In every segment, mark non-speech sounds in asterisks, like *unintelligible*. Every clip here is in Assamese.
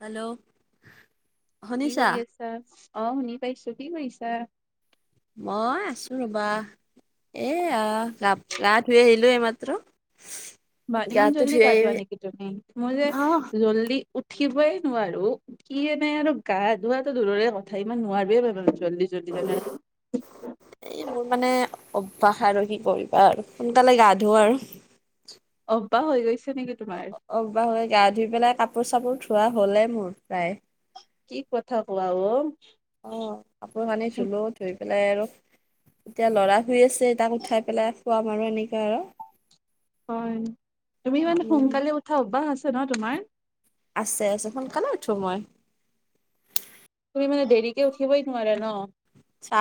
হেল্ল'। কি শুনিছা? কৰি আছা অ শুনি পাইছো। কি কৰিছা? মই আছো ৰ'বা। এ আহ গা গা ধুই আহিলো এইমাত্ৰ। বা ইমান গাটো জল্দি ধুই গা আহি ধুৱা নেকি তুমি মই যে অহ জল্দি উঠিবই নোৱাৰো। কি এনেই আৰু গা ধোৱাটো দূৰৰে কথা ইমান নোৱাৰোৱে মই মানে জল্দি জল্দি জানা। এই মোৰ মানে অভ্যাস আৰু কি কৰিবা আৰু সোনকালে গা ধো আৰু অভ্যাস হৈ গৈছে নেকি? অ তোমাৰ? অ অভ্যাস হৈ গা ধুই পেলাই কাপোৰ চাপোৰ ধোৱা হ'লেই মোৰ প্ৰায় কি কথা কোৱা অহ অ কাপোৰ কানি ধুলো ধুই পেলাই আৰু এতিয়া লৰা শুই আছে তাক উঠাই পেলাই খুৱাম আৰু এনেকা আৰু হয় তুমি ইমান উম সোনকালে উঠা অভ্যাস আছে ন তোমাৰ আছে আছে সোনকালে উঠো মই তুমি মানে দেৰিকে উঠিবই নোৱাৰে ন। চা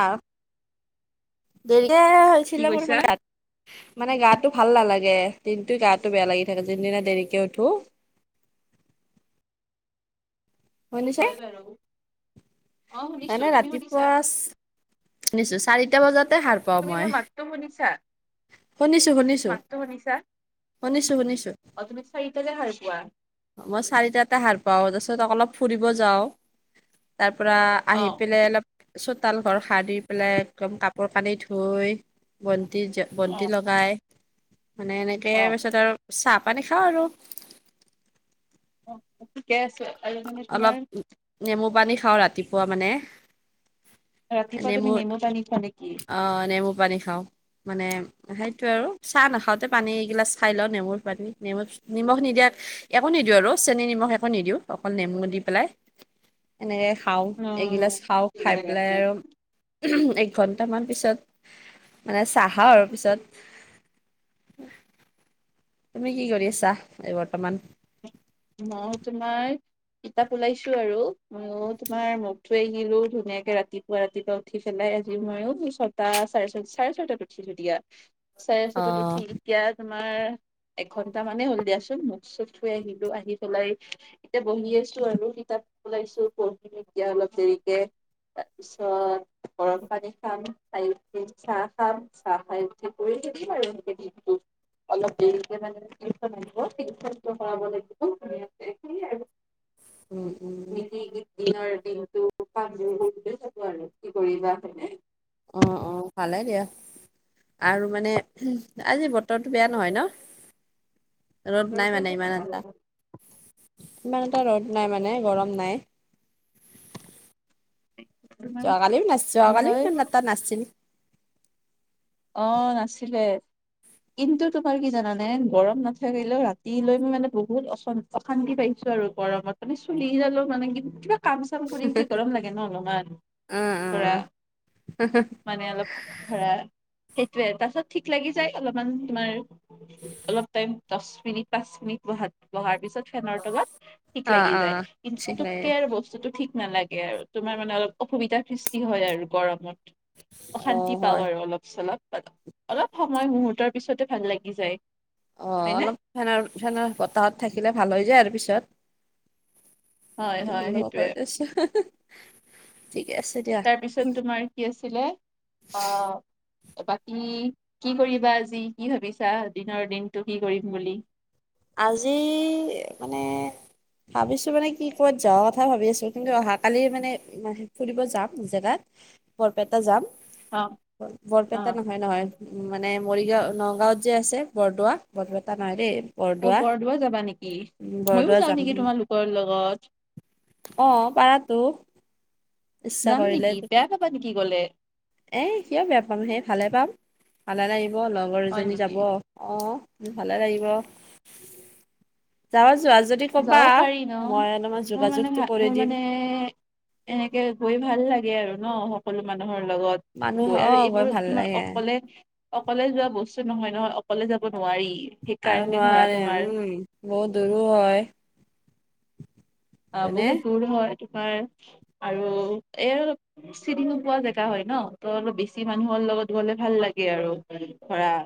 ডেৰিকে কি হৈছিলে মোৰ কৈছা? মানে ৰাত মানে গাটো ভাল নালাগে দিনটো গাটো বেয়া লাগি থাকে যোনদিনা দেৰিকে উঠো, হয় বাৰু। অ শুনিছো এনে তুমি শুনিছা? ৰাতিপুৱা শুনিছো চাৰিটা বজাতে সাৰ পাওঁ তুমি মই মোৰ মাতটো শুনিছা? শুনিছো শুনিছো মাতটো শুনিছা? শুনিছো শুনিছো। অ তুমি চাৰিটাতে হাৰ পোৱা। মই চাৰিটাতে হাৰ পাও তাৰপিচত অলপ ফুৰিব যাও তাৰ পৰা অ আহি পেলাই অলপ চতাল ঘৰ হাৰি পেলাই একদম কাপোৰ কানি, ধুই বন্তি‌ জ্ব অ বন্তি লগাই মানে এনেকে অ পিছত আৰু চাহ পানী খাওঁ আৰু অ ঠিকে আছে আৰু মানে অলপ তোমাৰ নেমু পানী খাওঁ ৰাতিপুৱা মানে ৰাতিপুৱা তুমি নেমু পানী খোৱা নেক অহ নেমু পানী খাওঁ মানে সেইটো আৰু চাহ নাখাওঁতে পানী এগিলাচ খাই লওঁ নেমুৰ পানী নেমু নিমখ নিদিয়া একো নিদিওঁ আৰু চেনি নিমখ একো নিদিওঁ অকল নেমু দি পেলাই এনেকে খাওঁ এগিলাচ খাওঁ খাই পেলাই অ', আৰু এইঘন টা মান পিছত মানে চাহৰ পিছত তুমি কি কৰি আছা এই বৰ্তমান। মইয়ো তোমাৰ কিতাপ ওলাইছো আৰু মইয়ো তোমাৰ নট থৈ আহিলো ধুনীয়াকে ৰাতি পুৱা ৰাতিপুৱা উঠি পেলাই আজিও মইও ছটা চাৰে, চাৰে ছটাত উঠিলো দিয়া। চাৰে ছটাত অ', উঠিলি? এতিয়া তোমাৰ এঘন্টা মানে হ'ল দিয়াচোন মোক চোক ধুই আহিলোঁ আহি', আহি পেলাই এতিয়া বহি আছোঁ আৰু কিতাপ ওলাইছোঁ পঢ়িম এতিয়া অলপ দেৰিকে', তাৰপিছত গৰম পানী খাম ফাইভ মিনিট চাহ খাম চাহ খাই', হে', কৰি থাকিলা আৰু গোটে দিনটো', অলপ দেৰিকে মানে ট্ৰেনখন আহিব ট্ৰেনখনটো সলাব লাগিব', কি ধুনীয়া', এই তুমি নাই যোৱা', উম', - উম', এই দিনৰ দিনটো কামবোৰ‌‌ কৰি থাকোঁ আৰু কি কৰিবা হয়নে', অ', - অ', পালে গে', আৰু মানে হুম', আজি বতৰটো বেয়া নহয় নহ', ৰ'দ নাই বতৰটো মানে ইমান আজি ভাল এটা, ইমান এটা ৰ'দ নাই মানে গৰম নাই', তোমাৰ যোৱাকালিও নাচোৱা আৰু কি যোৱা কালিও হয় ইমানো তাত নাছিলোঁ', অহ', নাছিলে', কিন্তু তোমাৰ কি জানা নে গৰম নাথাকিলেও ৰাতিলৈ মানে বহুত অশান্তি', অশান্তি পাইছোঁ আৰু গৰমত মানে চুলি কিডাল লয় মানে কিন্তু কিবা', কাম চাম কৰি উঠি গৰম লাগে নহ অলপমান অ', ধৰা', মানে অলপ ধৰা', সেইটোয়ে, তাৰ পাছত ঠিক লাগি যায় অলপমান তোমাৰ', উম', -উম', অলপ টাইম দচ মিনিট পাঁচ মিনিট বহাত', বহাৰ পিছত ফেনৰ তলত ঠিক অ', অ', লাগি যায়, অ', কিন্তু চিলাই পুতুককে আৰু বস্তুতটো ঠিক নালাগে', এই আৰু তোমাৰ মানে অলপ অসুবিধাৰ সৃষ্টি হয় আৰু গৰমত অশান্তি অ', পাওঁ হয়। আৰু অলপ', চলাওঁ আৰু অলপ সময় মুহূৰ্তৰ পিছতে ফেন লাগি যায়', অ', হয় ন অলপ ফেনৰ', - ফেনৰ', বতাহত থাকিলে ভাল হৈ যায় আৰু পিছত', *unintelligible* হয় হয় সেইটোয়ে তাৰপিছত তোমাৰ কি আছিলে? অ', বাকী কি কৰিবা আজি, কি ভাবিছা, দিনৰ দিনটো কি কৰিম বুলি? আজি এই মানে', ভাবিছোঁ মানে কি? ক'ত যোৱা কথা ভাবি আছোঁ কিন্তু অহাকালি মানে', মানে ফুৰিব যাম জেগাত', বৰপেটা যাম, অ অ বৰপেটা নহয়', - নহয়', উম', মানে মৰিগাঁও, নগাঁওত যে আছে বৰদোৱা, বৰপেটা নহয় দেই', অহ‌', ‌‌ বৰদোৱা যাবা নেকি, উম, মইও বৰদোৱা যাওঁ যাম নেকি তোমালোকৰ লগত', অহ', পাৰাতো', ইচ্ছা যাম নেকি, বেয়া পাবা নেকি গ'লে? এহ', কিয় বেয়া পাম সেই, ভালে পাম, ভালে লাগিব লগৰ হয় এজনী নেকি যাব', অ', ভালে লাগিব, যাও যোৱা যদি', যদি কবা যাব পাৰি ন মই অলপমান মোৰ মানে যোগাযোগটো ভাল কৰি মোৰ দিম', মানে এনেকে গৈ ভাল লাগে আৰু ন সকলো মানুহৰ লগত', মানুহ গৈ অ আৰু এইবোৰ ভাল তোমাৰ লাগে অকলে', অকলে যোৱা বস্তু নহয় ন অকলে যাব নোৱাৰি', আৰু সেইকাৰণে ধৰা নোৱাৰে তোমাৰ উম', বহুত দূৰো হয়', অ', হয়নে বহুত দূৰ হয় এইটো তোমাৰ আৰু এই', চিনি নোপোৱা জেগা হয় নো', ত অলপ বেছি মানুহৰ লগত গ'লে ভাল লাগে আৰু ধৰা',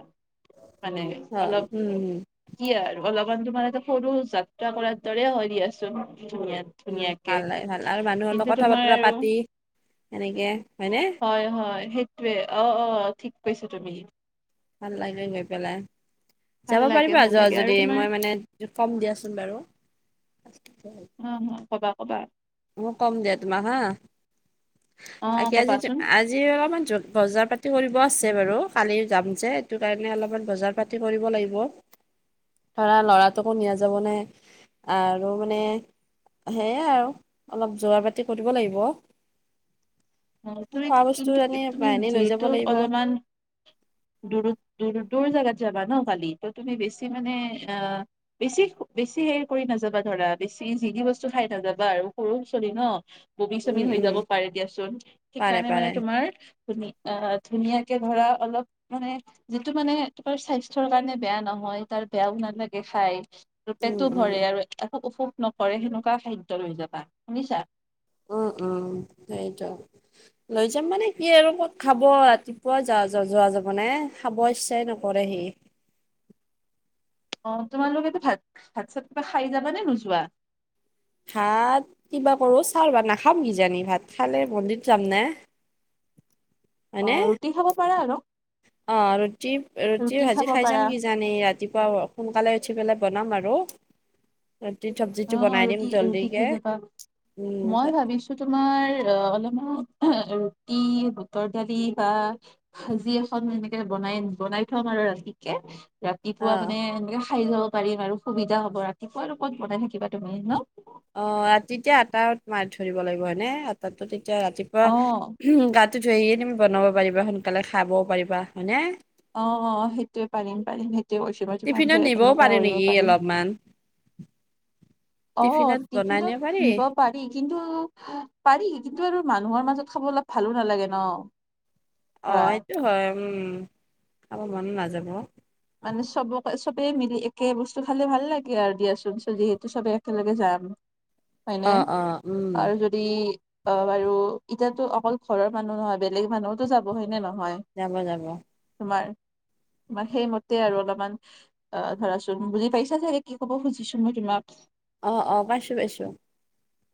মানে অ উম অলপ', হম কি আৰু অলপমান তোমাৰ সৰু যাত্ৰা কৰাৰ দৰে হয় দিয়াচোন ধুন উম, ভাল - ভাল আৰু মানুহৰ লগত কথা বতৰা আৰু পাতি সেনেকে হয়নে। হয় - হয় সেই টোৱে অ', অ', ঠিক কৈছ তুমি। ভাল লাগে গৈ পেলাই। ভাল যাব লাগে পাৰিবা ভাল যোৱা লাগে আৰু যদি তোমাৰ মই মানে য'ত ফৰ্ম দি আছোঁ বাৰু', হুম', -হুম', ক'বা ক'বাই', মই কম দিয়া তোমাক হা, অ এতিয়া যদি, আজি', কবাচোন আজি অলপমান চ'ল', বজাৰ পাতি কৰিব আছে বাৰু কালি যাম যে সেইটো কাৰণে অলপমান বজাৰ পাতি কৰিব লাগিব', *unintelligible* ধৰা লৰাটোকো নিয়া যাব নাই আৰু মানে সেয়াই আৰু অলপ যোৱা পাতি কৰিব লাগিব। অ, তুমি খোৱা বস্তু কিন্তু আনি তুমি বাহিনী লৈ যাব যিহেতু লাগিব অলপমান দূৰ - দূৰ - দূৰত জাগাত যাবা ন কালি ত তুমি বেছি মানে আহ বেছি - বেছি হেৰি কৰি নাযাবা ধৰা বেছি যি তি কবস্তু খাই নাযাবা আৰু সৰু ছোৱালী ন। বমি উম চমি হৈ উম যাব পাৰে দিয়াচোন পাৰে সেইকাৰণে মানে পাৰে তোমাৰ ধু অ, ধুনীয়াকে ধৰা অলপ মানে যিটো মানে তোমাৰ স্বাস্থ্যৰ কাৰণে বেয়া নহয় তাৰ বেয়াও নালাগে খাই। আৰু উম পেটটো উম ভৰে আৰু একো অসুখ নকৰে সেনেকুৱা খাদ্য লৈ যাবা শুনিছা। উম - উম সেইতো। লৈ যাম মানে কি আৰু কত খাব ৰাতিপুৱা যা - যা কা যোৱা যাব নে। *unintelligible* খাব ইচ্ছাই নকৰে হি। অ, তোমালোকেতো ভাত-ভাত চাত কিবা খাই যাবা নে নোযোৱা? ভাত কিবা কৰো ছাও ৰবা ভাত নাখাম কিজানি ভাত খালে মন্দিত যাম নে। হয়নে ৰুটি খাব পাৰো আৰু। অ, ৰুটি - ৰুটি ভাজি খাব খাই পাৰা যাম কিজান ৰাতিপুৱা সোনকালে উঠি পেলাই বনাম আৰু ৰুটি অ চবজিটো অ বনাই দিম। ৰুটি ৰুটি জল্দিকে খাই যাবা উম মই তা- ভাবিছো তোমাৰ অ, অলপমান ৰুটি বুটৰ দালি বা ভাজি এখন এনেকে বনাই - বনাই থম আৰু ৰাতিকে। অ ৰাতিপুৱা মানে এনেকে খাই যাব পাৰিম আৰু সুবিধা হব ৰাতিপুৱা লগত বনাই থাক কিবা তুমি ন অ, ৰাতিতে আটা মাৰি থৈ দিব লাগিব হয়নে আটাটো তেতিয়া ৰাতিপুৱা অ উম, গাটো ধুইয়ে তুমি বনাব পাৰিবা সোনকালে খাবও পাৰিবা হয়নে। অ', অ', সেইটোয়ে পাৰিম - পাৰিম সেইটোয়ে কিবা যমান টিফিনত যে নিবও এনেকুৱা পাৰি কৰিব নেকি পাৰিম। অলপমান অ, টিফিনত বনাই টিফিনত পাৰি নিব পাৰি কিন্তু পাৰি কিন্তু আৰু মানুহৰ মাজত খাব অলপ ভালো নালাগে ন। *inaudible* অ, সেইটো হয় উম, অ, মন নাযাব। মানে চবকে চবেই মিলি একে বস্তু খালে ভাল লাগে আৰু দিয়াচোন চ যিহেতু চবে একেলগে যাম। হয়নে অ উম আৰু য দি অ, বাৰু এতিয়াতো অকল ঘৰৰ মানুহ নহয় বেলেগ মানুহছতো যাব হয় নে নহয়। যাব-যাব। তোমাৰ - তোমাৰ সেইম তে আৰু অলপমান অ, ধৰাচোন বুজি পাইছা চাগে কি ক'ব খুজিছো মই তোমাক। অ', অ', পাইছো - পাইছো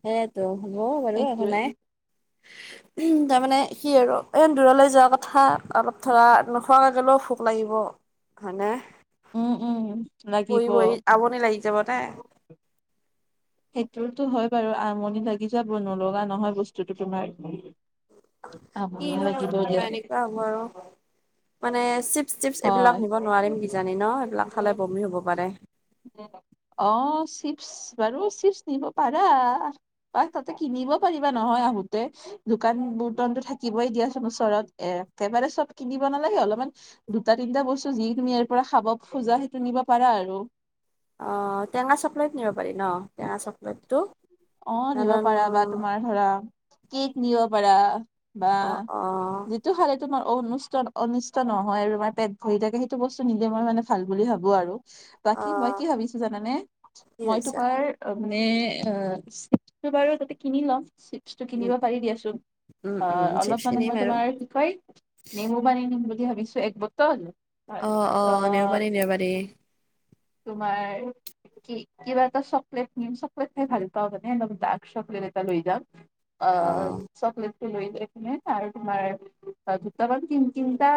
সেইয়েতো হ'ব বাৰু একো সেইটোৱে নাই। *inaudible* উমহ তাৰমানে কি আৰু এ দূৰলৈ যোৱা কথা অলপ ধৰা নোখোৱাকৈ গলেও ভোক লাগিব। হয়নে। উম - উম। লাগিব বহি- বহি আমনি লাগি যাব তে। সেইটোতো হয় বাৰু আমনি লাগি যাব নলগা নহয় বস্তুটো তোমাৰ। আমনিয়ে লাগিব দিয়া। বাৰু মানে চিপ টিপছ এইবিলাক নিব নোৱাৰিম কিজানি ন এইবিলাক খালে হয় বমি হ'ব পাৰে। অ, চিপছ বাৰু চিপছ নিব পাৰা। বা তাতে কিনিব পাৰিবা নহয় আহোতে। দোকান বৰ্তনতো থাকিবই দিয়াচোন ওচৰত এ একেবাৰে চব কিনিব নালাগে অলপমান দুটা, তিনটা বস্তু যি তুমি ইয়াৰ পৰা খাব খোজা সেইটো নিব পাৰা আৰু। অ, টেঙা চকলেট নিব পাৰি ন? টেঙা চকলেটটো অ, দিব কাৰণ পাৰা বা তোমাৰ ধৰা কেক নিব পাৰা বা অ অ সিটো খালে তোমাৰ ঔনিষ্টন অনিষ্ট নহয় আৰু তোমাৰ পেট ভৰি থাকে সেইটো বস্তু নিলে মই মানে ভাল বুলি ভাবো আৰু অ বাকী মই কি ভাবিছোঁ জানানে কি মই হৈছে তোমাৰ *unintelligible* অ, চেপটো বাৰু তাতে কিনি লম চেপ বস্তু উম কিনিব পাৰি দিয়াচোন উম অ, উম চিপছ অলপ মানে কিনিম মই আৰু তোমাৰ কি কয় নেমু পানী নিম বুলি ভাবিছোঁ একবটল অ', অ', নেমু পানী নিব পাৰি। তোমাৰ কি কিবা এটা চকলেট নিম চক চকলেট খাই ভাল পাওঁ মানে অলপ ডাৰ্ক চকলেট এটা লৈ যাম অ, চকলেট লৈ *unintelligible* আৰু তোমাৰ দুটা বা তিনটা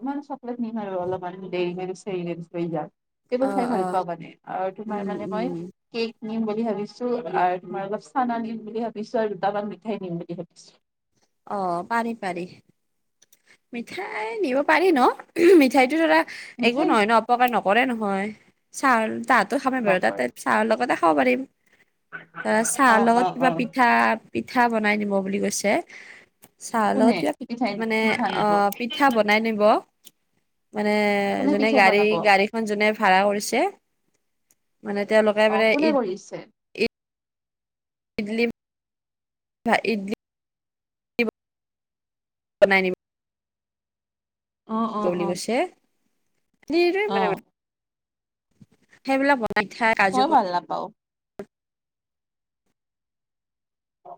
ইমান চকলেট নিম আৰু অলপ মান দেৰিকে বিচাৰিলে বিচাৰি যাম। এইবোৰ অ খাই অ ভাল পাওঁ মানে আৰু তোমাৰ উম মানে উম মই কেক নিম বুলি ভাবি চো আৰু তোমাৰ অলপ চানা নিম বুলি ভাবিছোঁ আৰু দুটামান মিঠাই নিম বুলি ভাবিছোঁ। অ, পাৰি-পাৰি। মিঠাই নিব পাৰি ন' মিঠাইটো ধৰা একো মিঠাই নহয় ন' অপকাৰ নকৰে নহয় চাউল তাত ত'খামেই বাৰু নকৰে তাতে চাহৰ লগতে খাব পাৰিম তে চাহৰ অ অ লগত অ কিবা পিঠা পিঠা বনাই নিব বুলি কৈছে। চাহৰ লগত কোনে কিবা পিঠাই পিঠ মানে পিঠা অ, নিব পিঠা বনাই নিব। মানে কোনে যোনে পিঠাই গাড়ী বনাব -গাড়ীখন যোনে ভাড়া কৰিছে। মানে তেওঁলোকে মানে ঈদ দিছে। ইডলি ভা ইডলি বনাই নিম। অ *unintelligible* অ বুলি অ কৈছে অ *unintelligible* সেইবিলাক বচ মই ভাল নাপাওঁ। অ',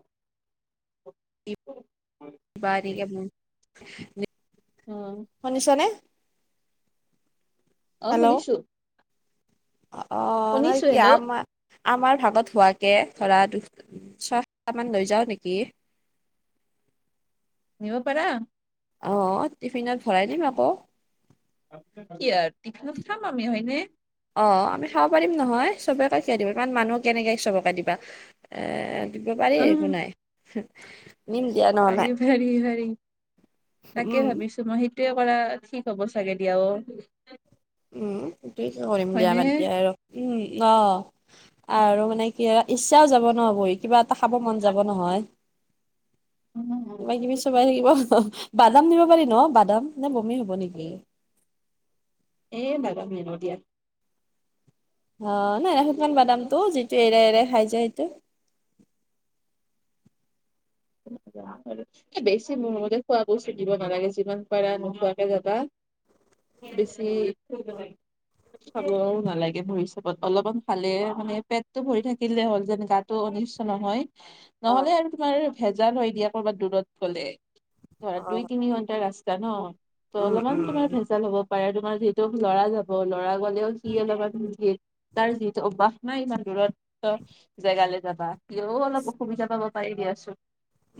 কটলি *unintelligible* হয়। *unintelligible* অ', শুনিছ নে? অ, শুনিছো। অ', অ', নাই শুনিছো কি হেল্ল' আমাৰ আমাৰ ভাগত হোৱাকে ধৰা *unintelligible* সাতটামান লৈ যাওঁ নেকি? নিব পাৰা। অ, টিফিনত ভৰাই দিম আকৌ। কি আৰ টিফিনত খাম আমি হয়নে? অ আমি খাব পাৰিম নহয় সবকাকে খিয়াই দিব কাৰণ মানুহক কেনেকৈ আহিছে চবকে দিবা এ দিব পাৰি একো উম নাই নিম দিয়া নহ'লে। পাৰি ভেৰি ভেৰি উম, তাকে ভাবিছ তোমাৰ সেইটোয়ে কৰা ঠিক হ'ব চাগে দিয়া অ উম, সেটোৱেকে কৰিম দিয়া হয়নে? বাদ দিয়া আৰু উম, অ। আৰু মানে কি ইচ্ছাও যাব নহ বহি কিবা এটা খাব মন যাব নহয়। *inaudible* কিবা -কিবি চোবাই থাকিব বাদাম দিব পাৰি ন' বাদাম নে বমি হব নেকি? এ বাদাম নিনো দিয়া অ নাই শুকান বাদামতো যিটো এৰে এৰে খাই যায় সেইটো *inaudible* বেছি মোৰ মতে খোৱা বস্তু দিব নালাগে যিমান পাৰা নোখোৱাকে যাবা। বেছি খাবও নালাগে ভৰি চাপত অলপমান খালে মানে পেটটো ভৰি থাকিলে হ'ল যেন গাত টো অনিষ্ট নহয় অ নহলে আৰু তোমাৰ ভেজাল হয় দিয়া কৰ'বাত দূৰত গলে। ধৰা অ দুই তিনি ঘন্টা ৰাস্তা ন ত উম অলপমান উম তোমাৰ ভেজ জাল হব পাৰে তোমাৰ যিহেতু লৰা যাব ল'ৰা গলেও সি অলপমান তাৰ যিহটো অভ্যাস নাই ইমান দূৰত্ব জেগালে যাবা সিও অলপ অসুবিধা পাব পাৰি দিয়াচোন।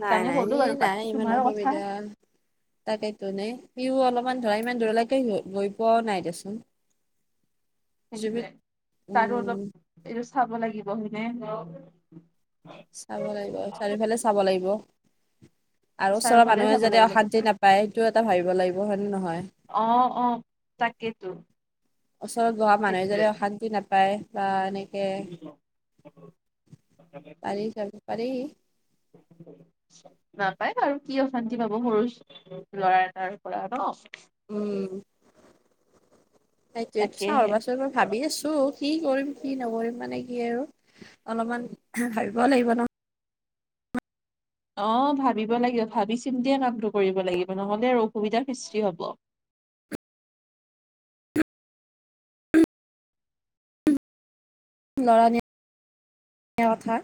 নাই নাই ক'লো সি আৰু নাই বাকী ইমান তোমাৰ কথা অসুবিধা তাকেই তো নে সিও অলপমান ধৰা ইমান দূৰলৈকে গৈ পোৱাও নাই দেচোন জুবিত সেইটোৱে তাৰো উম অলপ এইটো চাব লাগিব হয়নে? চাব লাগিব চাৰিওফালে চাব লাগিব আৰু ওচৰৰ চাৰিওফালে মানুহে চাব যাতে লাগিব অশান্তি তোমাৰ নাপ পায় সেটো এটা ভাবিব লাগিব হয় নে নহয়? অ অ তাকেইতো। ওচৰত গহা মানুহে যদি অশান্তি নাপায়। বা এনেকে পাৰি যাব পাৰি *unintelligible* নাপায় বাৰু, কি অশান্তি পাব সৰু ল'ৰা এটাৰ পৰা ন'। উম সেইটোৱে, চাহ তাকেহে ৰবাচোন ভাবি আছো কি কৰিম কি নকৰিম মানে কি আৰু অলপমান ভাবিব লাগিব নহ। অ ভাবিব লাগিব, ভাবি চিন্তিয়ে কামটো কৰিব লাগিব নহলে অসুবিধাৰ সৃষ্টি হব। ল'ৰা নিয়া কথা